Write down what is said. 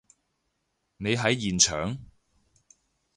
你喺現場？